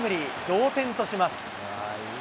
同点とします。